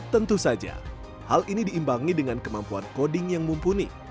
tentu saja hal ini diimbangi dengan kemampuan coding yang mumpuni